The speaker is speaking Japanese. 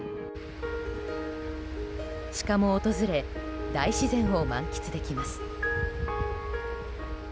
シカも訪れ大自然を満喫できます。